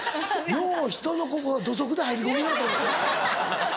ようひとの心土足で入り込むなと。